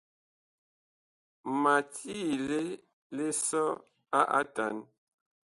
Ma tiile lisɔ a atan.